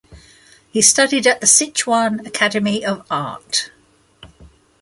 He studied at the Sichuan Academy of Art.